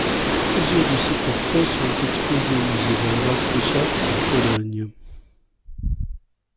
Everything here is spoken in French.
Plusieurs de ses portraits sont exposés au Musée Wallraf Richartz à Cologne.